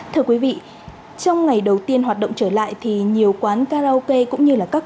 thưa quý vị trong ngày đầu tiên hoạt động trở lại thì nhiều quán karaoke cũng như là các